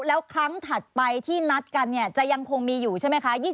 แล้วครั้งถัดไปที่นัดกันเนี่ยจะยังคงมีอยู่ใช่ไหมคะ